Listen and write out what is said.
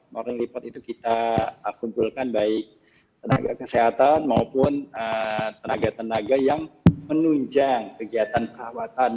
morning lipat itu kita kumpulkan baik tenaga kesehatan maupun tenaga tenaga yang menunjang kegiatan perawatan